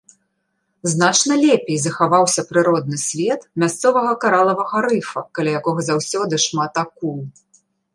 Значна лепей захаваўся прыродны свет мясцовага каралавага рыфа, каля якога заўсёды шмат акул.